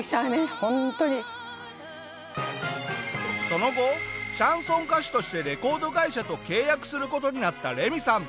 その後シャンソン歌手としてレコード会社と契約する事になったレミさん。